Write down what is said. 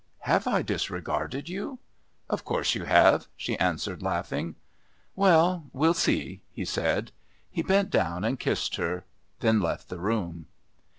"Have I disregarded you?" "Of course you have," she answered, laughing. "Well, we'll see," he said. He bent down and kissed her, then left the room.